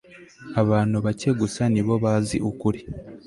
Abantu bake gusa ni bo bazi ukuri